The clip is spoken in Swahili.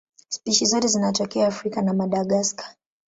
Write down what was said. Spishi zote zinatokea Afrika na Madagaska.